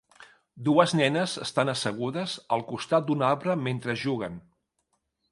dues nenes estan assegudes al costat d'un arbre mentre juguen.